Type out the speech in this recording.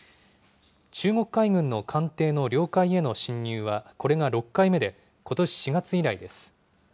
中国海軍の艦艇の領海への侵入はこれが６回目で、ことし４月以来です。